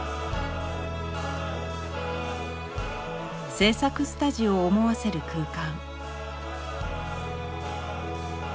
制作スタジオを思わせる空間。